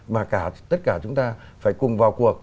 mà tất cả chúng ta phải cùng vào cuộc